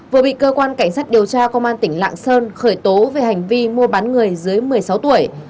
vừa bị cơ quan cảnh sát điều tra công an tỉnh lạng sơn khởi tố về hành vi mua bán người dưới một mươi sáu tuổi